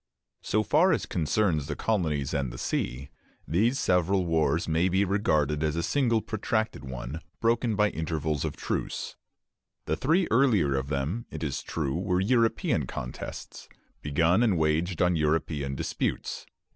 So far as concerns the colonies and the sea, these several wars may be regarded as a single protracted one, broken by intervals of truce. The three earlier of them, it is true, were European contests, begun and waged on European disputes.